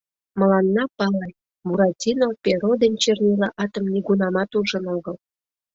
Мыланна пале, Буратино перо ден чернила атым нигунамат ужын огыл.